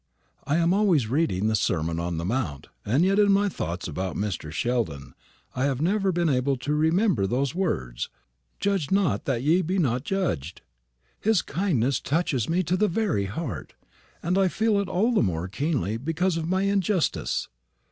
"I am always reading the Sermon on the Mount, and yet in my thoughts about Mr. Sheldon I have never been able to remember those words, 'Judge not, that ye be not judged.' His kindness touches me to the very heart, and I feel it all the more keenly because of my injustice."